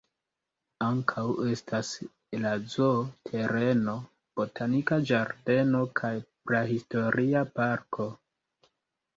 Ankaŭ estas en la zoo-tereno botanika ĝardeno kaj prahistoria parko.